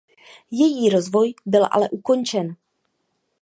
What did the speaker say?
Její rozvoj byl ale ukončen.